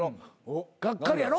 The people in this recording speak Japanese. がっかりやろ？